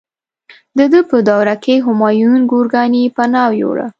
د ده په دوره کې همایون ګورکاني پناه یووړه.